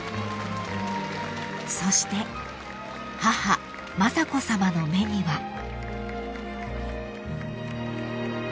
［そして母雅子さまの目には］